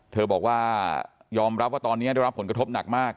เธอบอกว่ายอมรับว่าตอนนี้ได้รับผลกระทบหนักมาก